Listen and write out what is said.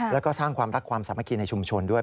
แล้วก็สร้างความรักความสามัคคีในชุมชนด้วย